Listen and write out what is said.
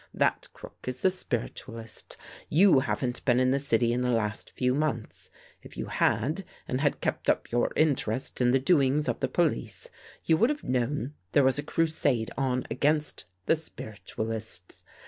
That crook is the spiritualist. You haven't been in the city the last few months. If you had, and had kept up your interest in the doings of the police, you would have known there was a crusade on against the spiritualists.